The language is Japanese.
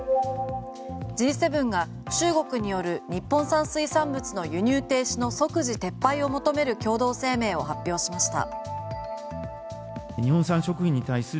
Ｇ７が中国による日本産水産物の輸入停止の即時撤廃を求める共同声明を発表しました。